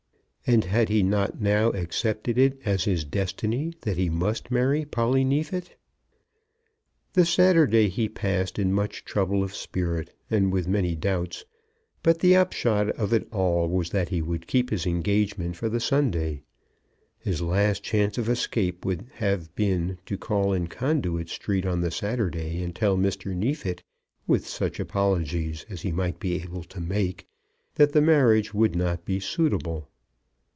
And had he not now accepted it as his destiny that he must marry Polly Neefit? The Saturday he passed in much trouble of spirit, and with many doubts; but the upshot of it all was that he would keep his engagement for the Sunday. His last chance of escape would have been to call in Conduit Street on the Saturday and tell Mr. Neefit, with such apologies as he might be able to make, that the marriage would not be suitable.